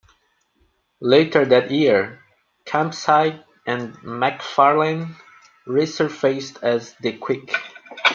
Later that year, Campsie and McFarlane resurfaced as The Quick.